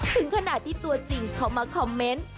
ถึงขนาดที่ตัวจริงเขามาคอมเมนต์